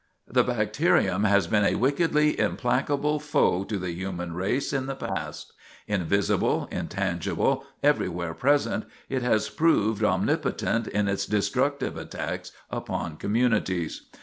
The bacterium has been a wickedly implacable foe to the human race in the past. Invisible, intangible, everywhere present, it has proved omnipotent in its destructive attacks upon communities.